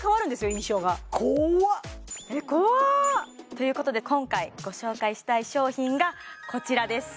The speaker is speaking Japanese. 印象が怖ーっということで今回ご紹介したい商品がこちらです